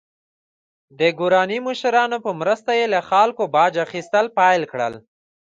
د ګوراني مشرانو په مرسته یې له خلکو باج اخیستل پیل کړل.